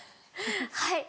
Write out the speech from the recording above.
はい。